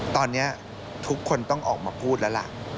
ตอนนี้ทุกคนต้องออกมาพูดแล้วล่ะ